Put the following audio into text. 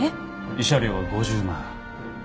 慰謝料は５０万。